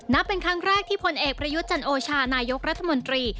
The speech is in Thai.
เป็นครั้งแรกที่พลเอกประยุทธ์จันโอชานายกรัฐมนตรี